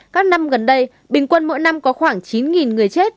các năm gần đây bình quân mỗi năm có khoảng chín người chết